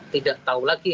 tidak tahu lagi